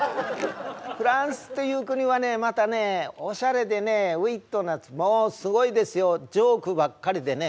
フランスっていう国はねまたねおしゃれでねウイットなもうすごいですよジョークばっかりでね